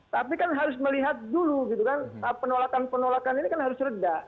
tapi kan harus melihat dulu gitu kan penolakan penolakan ini kan harus reda